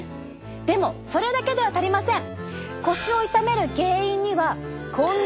でもそれだけでは足りません。